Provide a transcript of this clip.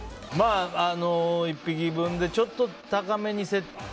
１匹分でちょっと高めに設定。